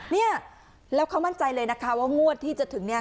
เนี่ยแล้วเขามั่นใจเลยนะคะว่างวดที่จะถึงเนี่ย